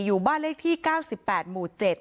อยู่บ้านเลขที่๙๘หมู่๗